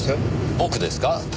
僕ですか？